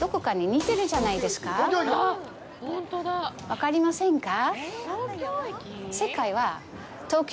分かりませんか？